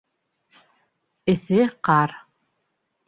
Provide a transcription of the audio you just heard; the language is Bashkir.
ЭҪЕ ҠАР